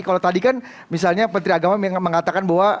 kalau tadi kan misalnya menteri agama mengatakan bahwa